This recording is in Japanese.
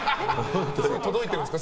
届いてるんですか？